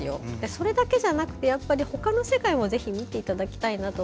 それだけじゃなくてほかの世界も見ていただきたいなと。